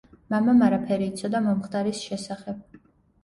მამამ არაფერი იცოდა მომხდარის შესახებ.